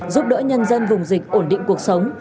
giúp đỡ nhân dân vùng dịch ổn định cuộc sống